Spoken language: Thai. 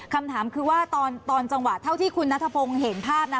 คำถามคือว่าตอนจังหวะเท่าที่คุณนัทพงศ์เห็นภาพนะ